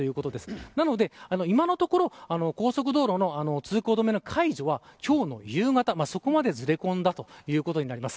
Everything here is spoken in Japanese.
なので、今のところ高速道路の通行止めの解除は今日の夕方、そこまでずれ込んだということになります。